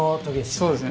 そうですね。